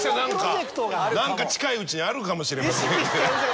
何か近いうちにあるかもしれません。